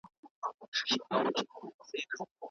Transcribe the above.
احمد شاه حسين د خپل حکومت پر مهال د خلکو د هوساينې هڅه کوله.